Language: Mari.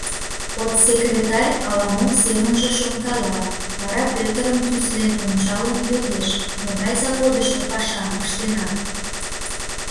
— Отсекретарь ала-мом семынже шонкала, вара Пӧтырым тӱслен ончалын, йодеш: — Могай заводышто пашам ыштенат?